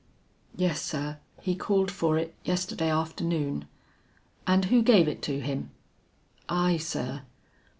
"Yes sir, he called for it yesterday afternoon." "And who gave it to him?" "I sir."